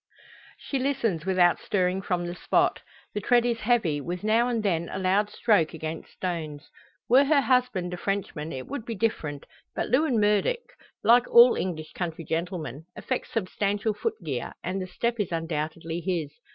She listens without stirring from the spot. The tread is heavy, with now and then a loud stroke against stones. Were her husband a Frenchman it would be different. But Lewin Murdock, like all English country gentlemen, affects substantial foot gear; and the step is undoubtedly his.